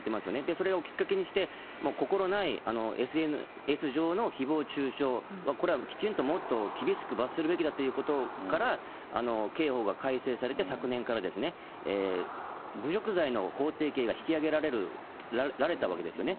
それをきっかけにして、心ないＳＮＳ上のひぼう中傷、これはきちんともっと厳しく罰するべきだということから、刑法が改正されて、昨年からですね、侮辱罪の法定刑が引き上げられたわけですよね。